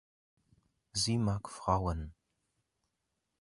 Sie mag Frauen.